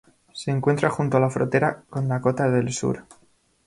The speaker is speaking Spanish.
Se encuentra junto a la frontera con Dakota del Sur.